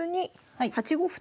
はい。